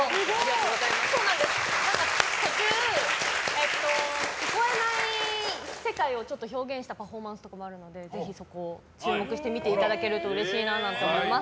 途中、聞こえない世界を表現したパフォーマンスとかもあるのでぜひそこを注目して見ていただけると嬉しいです。